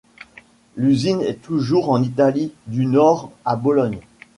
L'usine est toujours en Italie du nord, à Bologne.